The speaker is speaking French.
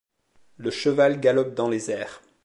Le cheval galope dans les airs.